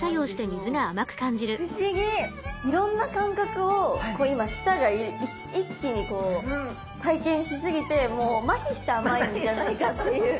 いろんな感覚を今舌が一気にこう体験しすぎてもうまひして甘いんじゃないかっていう。